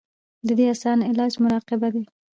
د دې اسان علاج مراقبه دے -